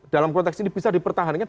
dalam konteks ini bisa dipertahankan